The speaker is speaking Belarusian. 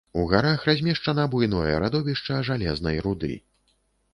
У гарах размешчана буйное радовішча жалезнай руды.